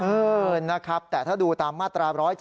เออนะครับแต่ถ้าดูตามมาตรา๑๗